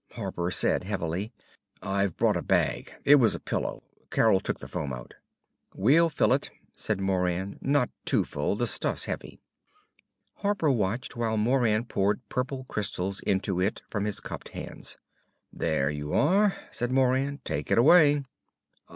Harper said heavily; "I've brought a bag. It was a pillow. Carol took the foam out." "We'll fill it," said Moran. "Not too full. The stuff's heavy." Harper watched while Moran poured purple crystals into it from his cupped hands. "There you are," said Moran. "Take it away."